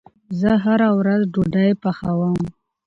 زه هره ورځ ډوډې پخوم